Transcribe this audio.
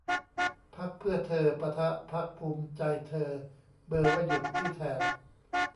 พรรคเพื่อเธอ ปะทะ พรรคภูมิใจเธอ เบอร์ว่าหยุดที่แถบ